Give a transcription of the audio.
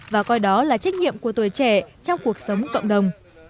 và coi đó là trách nhiệm của tuổi trẻ trong cuộc sống cộng đồng